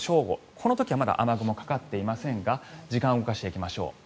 この時はまだ雨雲はかかっていませんが時間を動かしていきましょう。